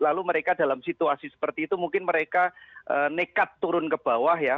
lalu mereka dalam situasi seperti itu mungkin mereka nekat turun ke bawah ya